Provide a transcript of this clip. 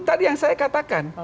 tadi yang saya katakan